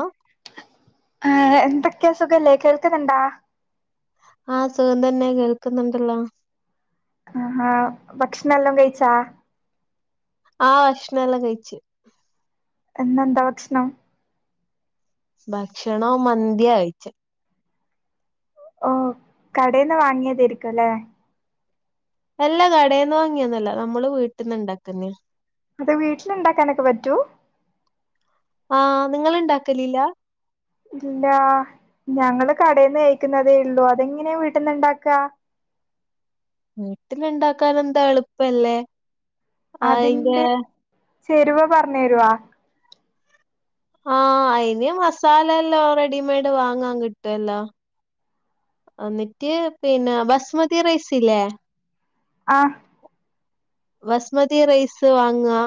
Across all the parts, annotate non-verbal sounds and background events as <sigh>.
ഏ ഏ എന്തൊക്കെയ സുഖല്ലേ? കേൾക്കുന്നുണ്ടാ? ആഹ് സുഖം തന്നെ. കേൾക്കുന്നുണ്ടല്ലോ. ആ ഭക്ഷണം എല്ലോം കഴിച്ചാ ആഹ് ഭക്ഷണം എല്ലാം കഴിച്ച്. ഇന്നെന്താ ഭക്ഷണം? ഭക്ഷണം മന്തിയ കഴിച്ചെ. ഓ കടേന്ന് വാങ്ങിയതേരിക്കുല്ലേ അല്ല കടേന്ന് വാങ്ങിയോന്നും അല്ല. നമ്മള് വീട്ട്ന്ന് ഇണ്ടാക്ക്ന്നയ. അത് വീട്ടില്ണ്ടാക്കാനൊക്കെ പറ്റൂ ആഹ് നിങ്ങള് ഇണ്ടാക്കലില്ല ഇല്ല ഞങ്ങള് കടേന്നു കഴിക്കുന്നതേ ഉള്ളൂ അതെങ്ങനെയാ വീട്ടിൽന്ന് ഇണ്ടാക്കാ വീട്ടിന്തു ണ്ടാക്കാന എന്താ എളുപ്പല്ലേ ആ യിന്റെ അതിന്റെ ചേരുവ പറഞ്ഞു തരുവാ ആ അയിന് മസാല എല്ലാം റെഡിമെയഡ് വാങ്ങാൻ കിട്ടുവല്ലോ എന്നിട്ട് പിന്നെ ബസ്മതി റൈസില്ലേ ആ ബസ്മതി റൈസ് വാങ്വാ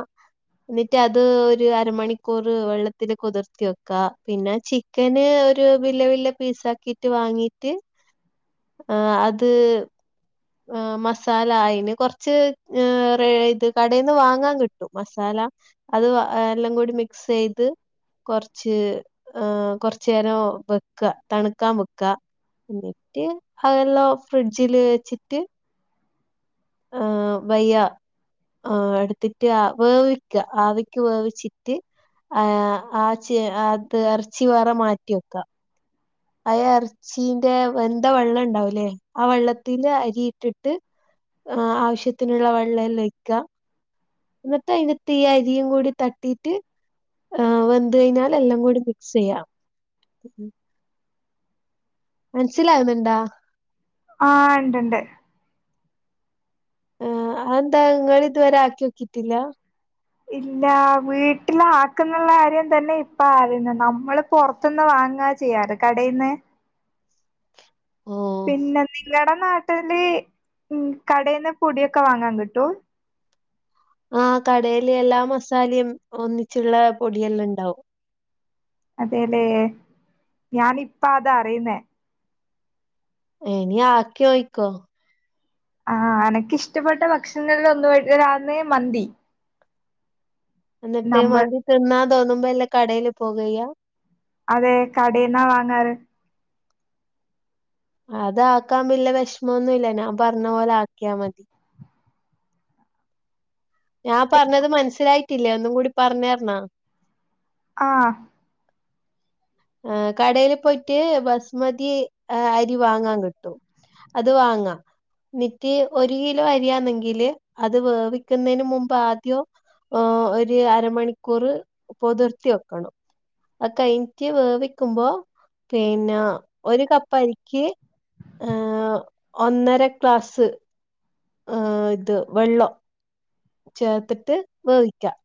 എന്നിട്ട് അത് ഒരു അരമണിക്കൂർ വെള്ളത്തില് കുതിർത്തി വെക്കാ പിന്നെ ചിക്കന് ഒരു വല്യ വല്യ പീസാക്കിട്ട് വാങ്ങീട്ട് അത് ആഹ് മസാല അയിന് കൊറച്ച് ഇ ഇത് കടയിൽന്ന് വാങ്ങാൻ കിട്ടും മസാല അത് എല്ലാം കൂടി മിക്സ് ചെയ്ത് കുറച്ച് കൊറച്ചു നേരം വെക്ക തണുക്കൻ വെക്ക എന്നിട്ട് അതെല്ലാം ഫ്രിഡ്ജില് വെച്ചിട്ട് ആ വയ്യ ആ എടുത്തിട്ട് വേവിക്ക ആവിക്ക് വേവിച്ചിട്ട് ആ ആ ച അത് ഇറച്ചി വേറെ മാറ്റി വെക്ക അയ ഇറച്ചിന്റെ വെന്ത വെള്ളം ഉണ്ടാവി ല്ലേ ആ വെള്ളത്തിൽ അരിയിട്ടിട്ട് ആ ആവശ്യത്തിനുള്ള വെള്ളം എല്ലാം വക്കാം എന്നിട്ട് അതിന്റെ തീ അരിയും കൂടി തട്ടിട്ട് ആ വെന്ത് കഴിഞ്ഞാൽ എല്ലാം കൂടി മിക്സ് ചെയ്യാം മനസിലാവുന്നുണ്ടാ ആ ഉണ്ട്ണ്ട് ആ അന്താങ്ങലിതുവരെ ആക്കി വോ ക്കിട്ടില്ല ഇല്ല വീട്ടില ആക്കുന്നുള്ള കാര്യം തന്നെ ഇപ്പ അറിയുന്നു നമ്മള് പുറത്തന്ന് വാങ്ങ എങ്ങാ ചെയ്യാറ് കടൽന്ന് ഓഹ് പിന്നെ നിങ്ങളട നാട്ടിൽന്ന് ഉം കടെന്ന് പൊടിയൊക്കെ വാങ്ങാൻ കിട്ടൂ ആ കടെ ല് എല്ലാ മസാലയും ഒന്നിച്ചുള്ള പൊടിയെല്ലാം ഉണ്ടാവും അതെല്ലേ ഞാനിപ്പ അതാ അറിയുന്നേ എനി ആക്കിയോ യ് ക്കോ ആഹ എനക്കി ഷ്ടപ്പെട്ട ഭക്ഷണങ്ങളിൽ ഒന്നതാണ് മന്തി എന്നിട്ട് നമ്മൾ മന്തി തിന്നാൻ തോന്നുമ്പോ എല്ലാം കടല് പോകയചെയ്യാ അതെ കടെന്നാ വാങ്ങാറ് അത ആക്കാൻമ്പില്ല വിഷമൊന്നുമല്ല ഞാൻ പറഞ്ഞ പോലെ ആക്കിയാ മതി. ഞാൻ പറഞ്ഞത് മനസ്സിലായിട്ടില്ലേ ഒന്നും കൂടി പറഞ്ഞ തരണൊ ആ ആ കടെല് പോയിട്ട് ബസ്മതി അരി വാങ്ങാൻ കിട്ടും അത് വങ്ങ നിറ്റ് ഒരു കിലോ അരിയാന്നെങ്കില് അത് വേവിക്കുന്നതിന് മുമ്പ് ആദ്യം ഒരു അരമണിക്കൂർ പൊതിർത്തി വെക്കണം അത് കഴി കുറ്റ വേവിക്കുമ്പോ പിന്നെ ഒരു കപ്പരിക്ക് ഏ ഒന്നര ക്ലാസ്സ് ആ ഇത് വെള്ളം ചേർത്തിട്ട് വേവിക്കാം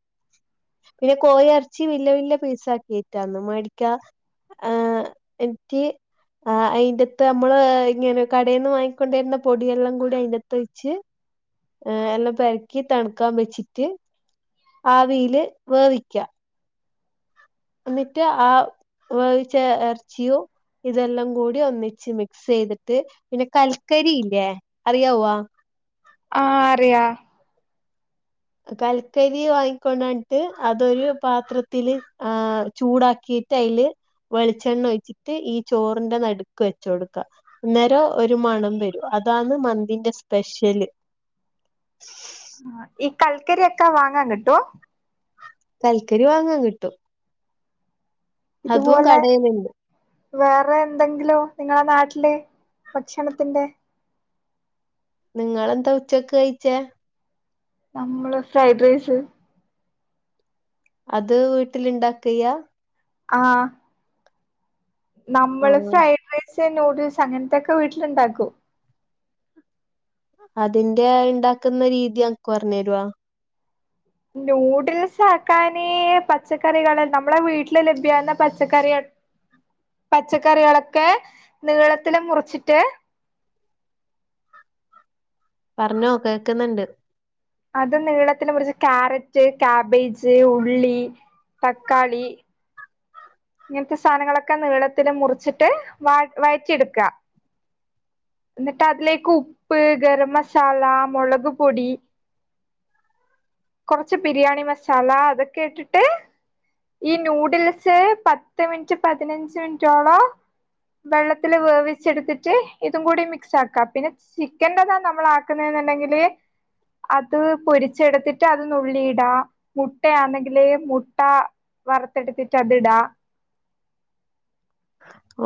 പിന്നെ കോയി ഇറച്ചി വലിയ വലിയ പീസ് ആക്കിട്ടാണോ മേടിക്കാ ആ എനിക്ക് ആ അയിന്റെത്ത് നമ്മള് ഇങ്ങനെ കടയിൽന്ന് വാങ്ങിക്കൊണ്ട വരുന്ന പൊടിയെല്ലാം കൂടി അതിന്റെത്ത് വെച്ച് ആ എല്ലാം പരക്കി തണുക്കാൻ വെച്ചിട്ട് ആവിയില് വേവിക്ക എന്നിട്ട് ആ വേവിച്ച ഇറച്ചിയു ഇതെല്ലാം കൂടി ഒന്നിച്ച് മിക്സ്യ്തിട്ട് പിന്നെ കൽക്കരി ഇല്ലേ അറിയാവോ ആഹ് അറിയാ കൽക്കരി വാങ്ങിക്കൊണ്ടണ്ടിട്ട് അതൊരു പാത്രത്തില് ആ ചൂടാക്കി ഇട്ടയില് വെളിച്ചെണ്ണ ഒഴിച്ചിട്ട് ഈ ചോറിന്റെ നടുക്ക് വെച്ചൊടുക്ക അന്നേരം ഒരു മണം വരും അ അതാണ് മന്തിന്റെ സ്പെഷ്യല് ആ ഈ കൽക്കരി ഒക്കെ വാങ്ങാൻ കിട്ടോ കൽക്കരി വാങ്ങാൻ കിട്ടും അതും ഇതുപോലെ കടയിലുണ്ട് വേറെ എന്തെങ്കിലോ നിങ്ങളെ നാട്ടില് ഭക്ഷണത്തിന്റെ നിങ്ങളെന്താ ഉച്ചക്ക് കഴിച്ചേ നമ്മള് ഫ്രൈഡ്റൈസ് അത് വീട്ടിലുണ്ടാക്കെയ്യാ ആ ആ നമ്മള് ഫ്രൈഡ്റൈസ് നൂഡിൽസ് അങ്ങനത്തെൊക്കെ വീട്ടിലിണ്ടാക്കും അതിന്റെ ഇണ്ടാക്കുന്ന രീതി അൻക്ക് പറഞ്ഞേരുവോ നൂഡിൽസ് ആക്കാന് പച്ചക്കറികൾ നമ്മെ വീട്ടില് ലഭ്യാവുന്ന പച്ചക്കറികൾ പച്ചക്കറികളൊക്കെ നീളത്തില് മുറിച്ചിട്ട് പറഞ്ഞോ കേക്കുന്നുണ്ട് അത് നീളത്തില് മുറിച്ച് ക്യാരറ്റ് കാബേജ് ഉള്ളി തക്കാളി ഇങ്ങനത്തെ സാനങ്ങളൊക്കെ നീളത്തില് മുറിച്ചിട്ട് വ വഴറ്റിയെടുക്ക ന്നിട്ട് അതിലേക്ക് ഉപ്പ് ഗരം മസാല മുളക് പൊടി കൊറച്ച് ബിരിയാണി മസാല അതൊക്കെ ഇട്ടിട്ട് ഈ നൂഡിൽസ് പത്ത് മിനിറ്റ് പതിനഞ്ച് മിനിറ്റോളം വെള്ളത്തില് വേവിച്ചെടുത്തിട്ട് ഇതും കൂടി മിക്സ് ആക്കാം. പിന്നെ ചിക്കന്റെതാ നമ്മൾ ആക്കുന്ന ന്നുണ്ടെങ്കില് അത് പൊരിച്ചെടുത്തിട്ട് റ്റ അത് നുള്ളിടാ മുട്ടയാണെങ്കില് മുട്ട വറത്തെടുത്തിട്ട് അത്ടാ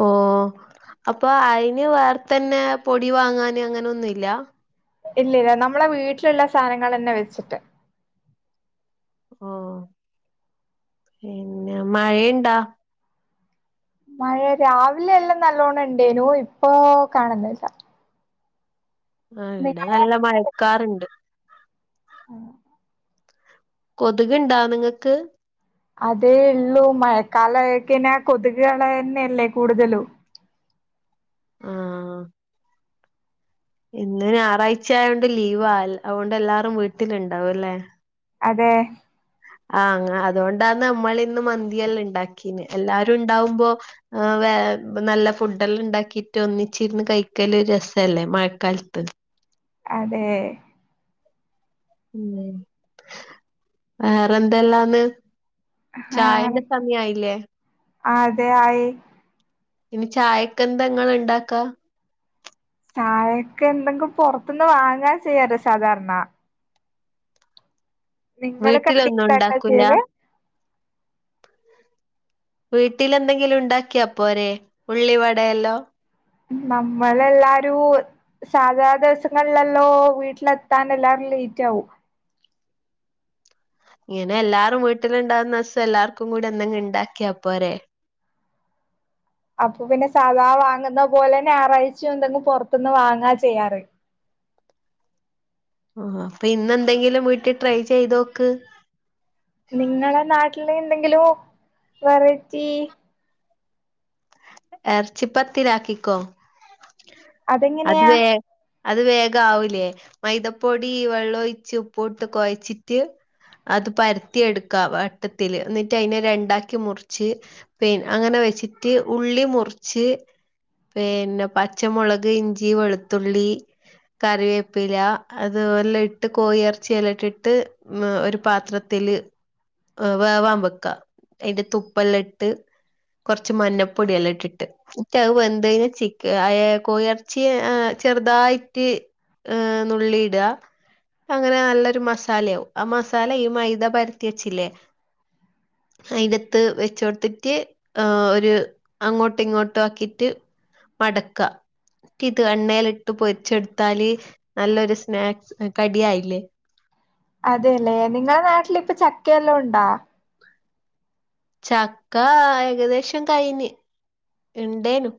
ഓഹ് അപ്പൊ അയിന് വേറത്തന്നെ പൊടി വാങ്ങാന് അങ്ങനെൊന്നുംല്ലാ ഇല്ലല്ല നമ്മളെ വീട്ടിലുള്ള സാധനങ്ങളെന്നെ വെച്ചിട്ട് ഓ പിന്നെ മഴയുണ്ടാ മഴ രാവിലെ എല്ലാം നല്ലോണം ഇണ്ടേനു ഇപ്പൊ കാണന്നില്ല ആ ഇവിടെ നല്ല മഴക്കാറുണ്ട് ആ കൊതുക് ഇണ്ടാ നിങ്ങക്ക് അതേ ഇള്ളൂ മഴക്കാലയ്ക്കെന്നെ കൊതുകളന്നെല്ലേ കൂടുതലും ആഹ് ഇന്ന് ഞായറാഴ്ചയോണ്ട് ലീവ ആ അതുകൊണ്ട് എല്ലാരും വീട്ടിലുണ്ടാവും അല്ലേ അതെ ആഹ് അ അതുകൊണ്ടന്ന് നമ്മളിന്ന് മന്തിയെല്ലാം ഉണ്ടാക്കീന് എല്ലാരും ഇണ്ടാവുമ്പോ എമ് <inaudible> നല്ല ഫുഡല്ലാം ഉണ്ടാക്കിട്ട് ഒന്നിച്ചിരുന്ന് കഴിക്കല് രസല്ലേ മഴക്കാലത്ത് അതെ ഉം വേറെന്തല്ലാന്ന് ചായന്റെ സമയായില്ലേ ആ അതെ ആയി ഇനി ചായക്കെന്തെങ്ങള് ഇണ്ടാക്കാ ചായക്ക് എന്തെങ്കും പൊറത്ത്ന്ന് വാങ്ങാ ചെയ്യാറ് സാധാരണ. നിങ്ങള് വീട്ടിലൊന്നും കണ്ടിട്ടാക്കാ ഉണ്ടാക്കൂല ചെയ്യല് വീട്ടില് എന്തെങ്കിലും ഉണ്ടാക്കിയാപ്പോരെ ഉള്ളിവടയല്ലോം നമ്മളെല്ലാരൂ സാധാ ദിവസങ്ങളിലല്ലോ വീട്ടിലെത്താൻ എല്ലാരും ലേറ്റ് ആവും ഇങ്ങനെ എല്ലാരും വീട്ടിലുണ്ടാവുന്ന ഇസം എല്ലാർക്കും കൂടെ എന്തെങ്ങും ഇണ്ടാക്കിയാപ്പോരെ അപ്പൊ പിന്നെ സദാ വാങ്ങുന്ന പോലെ ഞായറാഴ്ച എന്തെങ്ങും പൊറത്തുന്ന് വാങ്ങാ ചെയ്യാറ് ആഹ അപ്പൊ ഇന്ന് എന്തെങ്കിലും വീട്ടി ട്രൈ ചെയ്തോക്ക് നിങ്ങളെ നാട്ടില് എന്തെങ്കിലും വെറൈറ്റി ഇറച്ചിപ്പത്തിരിയാക്കിക്കോ അതെങ്ങനെയാ അത് വേഗ ആവൂലേ മൈദപ്പൊടി വെള്ളം ഒഴിച്ച് ഉപ്പു ഇട്ട് കൊഴച്ചിട്ട് അത് പരത്തിയെടുക്കാം വട്ടത്തില് എന്നിട്ട് അതിനെ രണ്ടാക്കി മുറിച്ച് പി അങ്ങനെ വച്ചിട്ട് ഉള്ളി മുറിച്ച് പീന്നെ പച്ചമുളക് ഇഞ്ചി വെളുത്തുള്ളി കറിവേപ്പില അത് വല്ല ഇട്ട് കോഴി എറച്ചിഅതിലിട്ടിട്ട് മ്മ് ഒരു പാത്രത്തി തില് വേവാൻ വെക്കാ അതിന്റെ തുപ്പെല്ലാം ഇട്ട് കുറച്ച് മഞ്ഞപ്പൊടിയെല്ലാ ഇ ഇട്ടിട്ട് ഉറ്റ് അത് വെന്ത്യ്ഞ്ഞ് ചിക് അയേ കോയെർച്ചി ആ ചെർതായിട്ട് ഏ നുള്ളിയിട അങ്ങനെ നല്ലൊരു മസാലയാവും ആ മസാല ഈ മൈദ പരത്തി വെച്ചില്ലേ അയിന്റത്ത് വെച്ചാെട്ത്തിട്ട് ആ ഒര് അങ്ങോട്ടു ഇങ്ങോട്ടു ആക്കിട്ട് മടക്കാ കിത് എണ്ണേല്ട്ട് പൊരിച്ചെട്ത്താല് നല്ലൊരു സ്നാക്സ് കടിയായില്ലേ അതേല്ലേ നിങ്ങളെ നാട്ടിലിപ്പ ചക്കയെല്ലാം ഉണ്ടാ ചക്ക ഏകദേശം കഴിന് ഇണ്ടേനു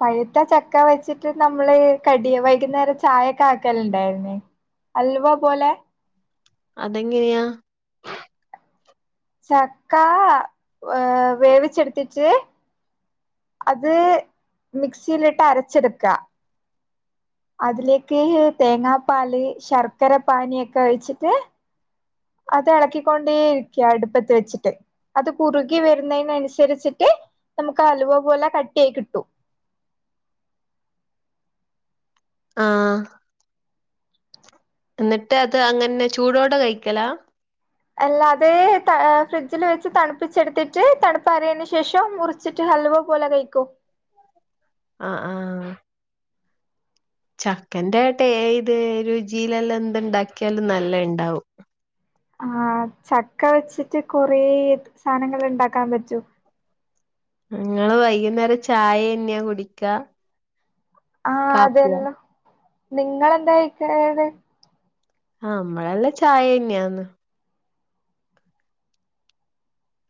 പഴ്ത്ത ചക്ക വെച്ചിട്ട് നമ്മള് കടിയ വൈകുന്നേരം ചായയൊക്കെ ആക്കല്ണ്ടായ്ര്ന്നേ അൽവ പോലെ അതെങ്ങനെയാ ചക്കാ ഏ വേവിച്ചെട്ത്തിട്ട് അത് മിക്സിയിലിട്ട് അരച്ചെട്ക്ക അതിലേക്ക് തേങ്ങാപ്പാല് ശർക്കര പാനിയൊക്കെ ഒഴിച്ചിട്ട് അത് എളക്കിക്കൊണ്ടേരിക്ക അടുപ്പത്ത് വെച്ചിട്ട് അത് കുറുകി വരുന്നേനൻസരിച്ചിട്ട് നമുക്ക് അലുവ പോലെ കട്ടി ആയി കിട്ടു ആ എന്നിട്ട് അത് അങ്ങൻന്നെ ചൂടോടെ കഴിക്കലാ എല്ലാ അതേ ത ഫ്രിഡ്ജില് വെച്ച് തണ്പ്പിച്ചെട്ത്തിട്ട് തണുപ്പാറിയേന് ശേഷം മുറിച്ചിട്ട് അലുവ പോലെ കയ്ക്കും ആ ആ ചക്കന്റെ ടേ ഇത് രുചിയിലെല്ലാം എന്ത്ണ്ടാക്കിയാലും നല്ല ഇണ്ടാവും ആ ചക്ക വെച്ചിട്ട് കൊറേ സാനങ്ങള്ണ്ടാക്കാൻ പറ്റും നിങ്ങള് വൈകുന്നേരം ചായെന്ന്യാ കുടിക്ക ആ അതെല്ലോ നിങ്ങെന്താ കഴിക്കേണേത് ആ നമ്മളെല്ല ചായെന്നെയാന്ന്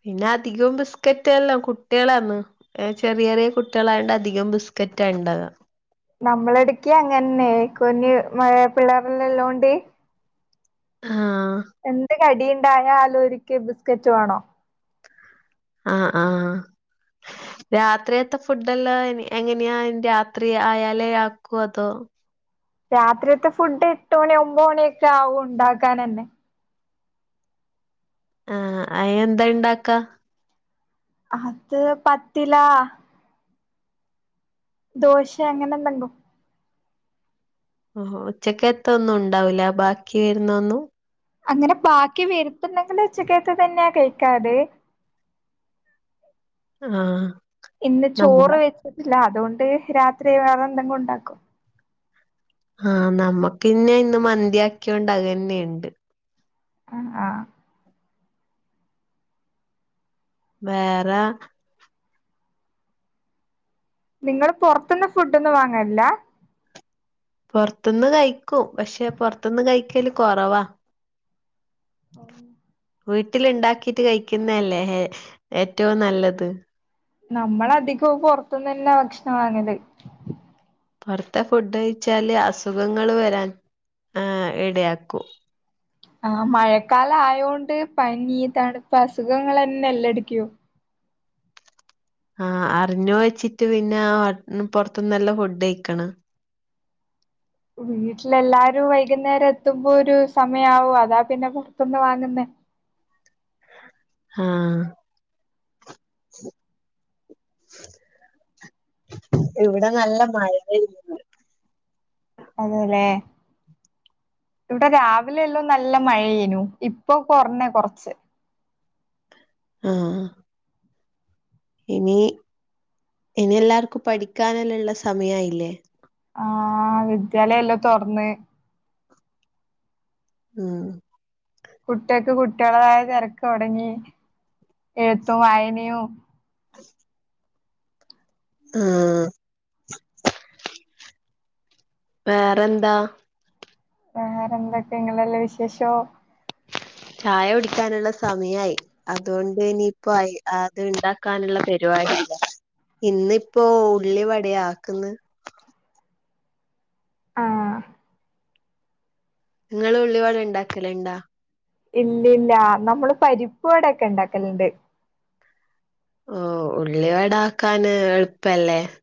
പിന്നെ അധികവും ബിസ്ക്കറ്റ് എല്ലാം കുട്ടികളാന്ന് ഏ ചെറിയ ചെറിയ കുട്ടികളായോണ്ട് അധികവും ബിസ് ക്കെറ്റാണ്ടവാ നമ്മളെടക്ക് അങ്ങൻന്നെ കുഞ്ഞ് മഴ പിള്ളേർല്ലല്ലോണ്ട് ആ അടിയിണ്ടായ ആലോര്ക്ക് ബിസ്കറ്റ് വേണാേ ആ ആ രാത്രിയത്തെ ഫുഡെല്ലാം എങ്ങനെയാ രാത്രി ആയാലേ ആക്കൂ അതോ രാത്രിത്തെ ഫുഡ് എട്ട് മണി ഒമ്പത് മണിയൊക്കെ ആവും ണ്ടാക്കാനെന്നെ ആ അയ്നെന്താ ഇണ്ടാക്കാ അത് പത്തിലാ ദോശ അങ്ങനെന്തങ്ങു ഓഹോ ഉച്ചക്കെത്ത ഒന്നും ണ്ടാവൂല ബാക്കി വര്ന്നൊന്നും അങ്ങനെ ബാക്കി വരുത്തണ്ടെങ്കിൽ ഉച്ചക്കെത്ത് തന്നെയാ കഴിക്കാറ് ആ ഇന്ന് ചോറ് വെച്ചിട്ടില്ല അതുകൊണ്ട് രാത്രി വേറെ എന്തെങ്കുംണ്ടാക്കും ആ നമ്മക്കിന്നെ ഇന്ന് മന്തിയാക്കൊണ്ട് അത് ന്നെയ്ണ്ട് ആ ആ വേറെ നിങ്ങള് പൊർത്ത്ന്ന് ഫുഡാെന്നും വാങ്ങൽല്ല പൊർത്ത്ന്ന് കയ്ക്കും പക്ഷെ പൊർത്ത്ന്ന് കയ്ക്കല് കൊറവാ ഔ വീട്ട്ല്ണ്ടാക്കിട്ട് കയ്ക്ക്ന്നല്ലേ ഹേ ഏറ്റവും നല്ലത് നമ്മളധികം പൊർത്ത്ന്നന്നാ ഭക്ഷണം വാങ്ങല് പൊർത്തെ ഫുഡ് കയ്ച്ചാല് അസുഖങ്ങള് വരാൻ ആ ഇടയാക്കൂ ആ മഴക്കാല ആയോണ്ട് പനി തണുപ്പ് അസുഖങ്ങൾന്നെല്ലടക്കോ ആ അറിഞ്ഞു വെച്ചിട്ട് പിന്നെ ആ പൊ റത്തന്ന് നല്ല ഫുഡ് കഴക്കണ വീട്ടിലെല്ലാരും വൈകുന്നേരം എത്തുമ്പോ ഒരു സമയവും അതാ പിന്നെ പുറത്തുന്ന് വാങ്ങുന്ന ആ ഇവിടെ നല്ല മഴയായിരുന്നുന്ന് അതല്ലെ ഇവിടെ രാവിലെ എല്ലാം നല്ല മഴയനു ഇപ്പൊ കൊറഞ്ഞേ കൊറച്ച് ആ ഇനി ഇനി എല്ലാർക്കും പഠിക്കാനല്ലള്ള സമയായില്ലേ ആ വിദ്യാലയല്ലോ തുറന്ന് ഉം കുട്ടികൾ ക്കു കുട്ടികളതായ തിരക്ക് ഉടങ്ങി എഴുത്തും വായനയും ഉം വേറെന്താ വേറെ എന്തൊക്കെ ഇങ്ങല്ല വിശേഷോ ചായ കുടിക്കാനുള്ള സമയായി അതുകൊണ്ട് ഇനിയിപ്പോ അത് ഉണ്ടാക്കാനുള്ള പരുപാടി ഇന്നിപ്പോ ഉള്ളി വടയാ ആക്കന്ന് ആ നിങ്ങള് ഉള്ളിവട ഉണ്ടാക്കലു ണ്ടാ ഇല്ലി ല്ല നമ്മള് പരിപ്പു ട യൊക്കെ ഇണ്ടാക്കലുണ്ട് ഓ ഉള്ളി വടാക്കനു എളുപ്പല്ലേ